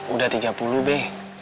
udah tiga puluh be